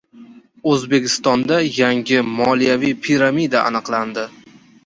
O‘zbekistonda yangi «moliyaviy piramida» aniqlandi